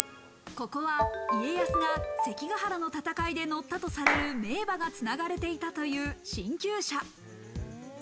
ここは家康が関ヶ原の戦いで乗ったとされる名馬がつながれていたという神厩舎。